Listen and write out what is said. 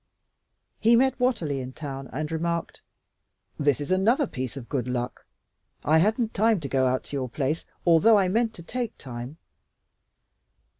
He met Watterly in town, and remarked, "This is another piece of good luck. I hadn't time to go out to your place, although I meant to take time."